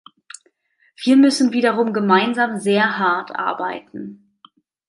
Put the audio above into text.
Wir müssen wiederum gemeinsam sehr hart arbeiten.